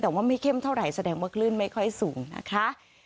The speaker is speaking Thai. แต่ว่าไม่เข้มเท่าไหร่แสดงว่าคลื่นไม่ค่อยสูงนะคะ